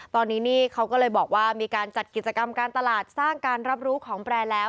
ตอนนี้นี่เขาก็เลยบอกว่ามีการจัดกิจกรรมการตลาดสร้างการรับรู้ของแบรนด์แล้ว